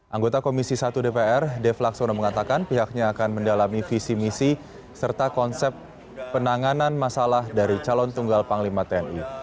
anggota komisi satu dpr dev laksono mengatakan pihaknya akan mendalami visi misi serta konsep penanganan masalah dari calon tunggal panglima tni